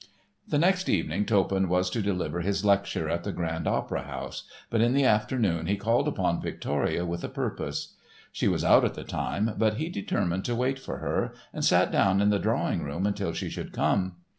The next evening Toppan was to deliver his lecture at the Grand Opera House, but in the afternoon he called upon Victoria with a purpose. She was out at the time but he determined to wait for her, and sat down in the drawing room until she should come.